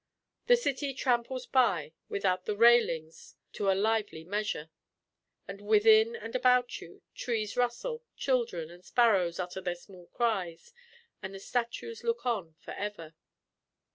The city tramples by without the railings to a lively measure; and within and about you, trees rustle, children and sparrows utter their small cries, and the statues look on forever.